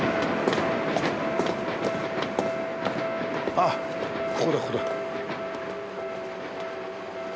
あっここだここだ。